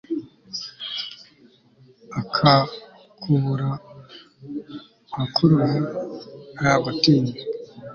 akakubura akurora yagutinye